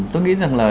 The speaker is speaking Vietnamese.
tôi nghĩ rằng là